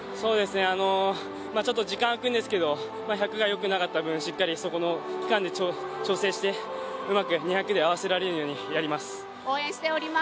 時間あくんですけど、１００がよくなかった分、そこの期間で調整してうまく２００で合わせられるようにやります。